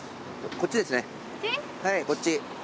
こっち。